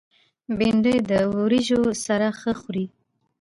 بېنډۍ د وریژو سره ښه خوري